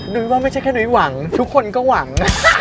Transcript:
นุ้ยว่าไม่ใช่แค่นุ้ยหวังทุกคนก็หวัง